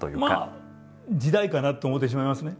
まあ時代かなと思ってしまいますね。